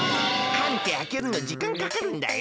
缶ってあけるのじかんかかるんだよ。